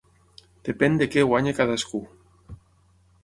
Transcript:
Depèn de què guanyi cadascú.